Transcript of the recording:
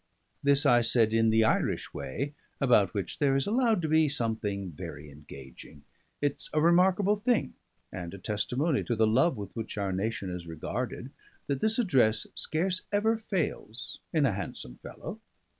This I said in the Irish way, about which there is allowed to be something very engaging. It's a remarkable thing, and a testimony to the love with which our nation is regarded, that this address scarce ever fails in a handsome fellow.